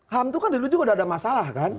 ham itu kan dulu juga udah ada masalah kan